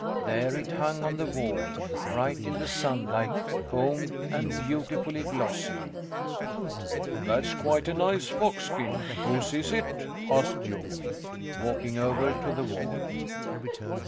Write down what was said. There it hung on the wall, right in the sunlight, combed and beautifully glossy. That's quite a nice fox skin. Whose is it? asked Jon, walking over to the wall.